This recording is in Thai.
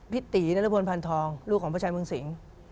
พี่ตีนรพลพันธองลูกของพระชายเมืองสิง